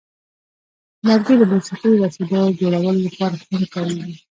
لرګي د موسیقي وسیلو جوړولو لپاره هم کارېږي.